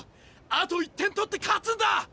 あと１点取って勝つんだ！